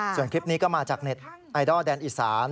ส่วนคลิปนี้ก็มาจากเน็ตไอดอลแดนอีสาน